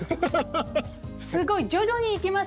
すごい！徐々に来ますね！